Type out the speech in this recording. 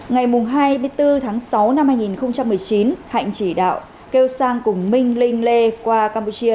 ngày hai mươi bốn tháng sáu năm hai nghìn một mươi chín hạnh chỉ đạo kêu sang cùng minh linh lê qua campuchia